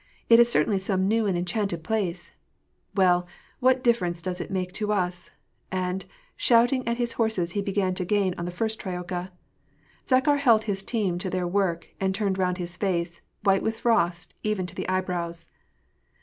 It is certainly some new and enchanted place ! Well, what difference does it make to us ?" And, shouting at his horses, he began to gain on the first trodca. Zakhar held his team to their work and turned round his face, white with frost even to the eyebrows.